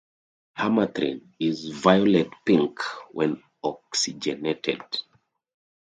Hemerythrin is violet-pink when oxygenated.